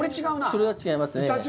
それは違いますね。